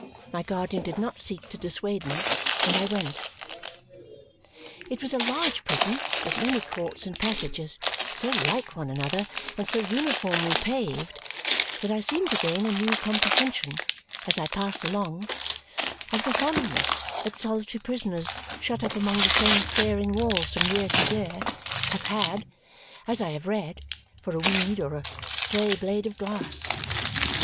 My guardian did not seek to dissuade me, and I went. It was a large prison with many courts and passages so like one another and so uniformly paved that I seemed to gain a new comprehension, as I passed along, of the fondness that solitary prisoners, shut up among the same staring walls from year to year, have had as I have read for a weed or a stray blade of grass.